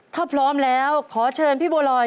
ถ้าพร้อมแล้วขอเชิญพี่บัวลอย